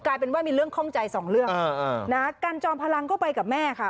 กลายเป็นว่ามีเรื่องข้องใจสองเรื่องกันจอมพลังก็ไปกับแม่ค่ะ